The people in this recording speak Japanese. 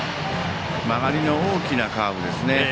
曲がりの大きなカーブでしたね。